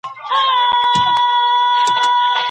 که انلاین درسونه انعطاف ولري، تعلیم نه درېږي.